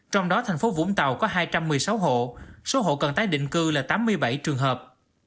trong đó thành phố vũng tàu có hai trăm một mươi sáu hộ số hộ cần tái định cư là tám mươi bảy trường hợp